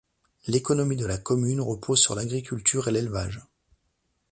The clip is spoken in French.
L'économie de la commune repose sur l'agriculture et l'élevage.